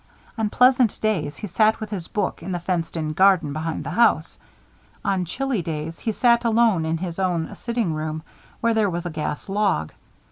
On pleasant days he sat with his book in the fenced in garden behind the house. On chilly days, he sat alone in his own sitting room, where there was a gas log.